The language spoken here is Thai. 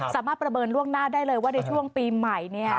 สามารถประเมินล่วงหน้าได้เลยว่าในช่วงปีใหม่